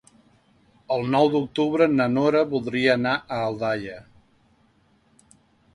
El nou d'octubre na Nora voldria anar a Aldaia.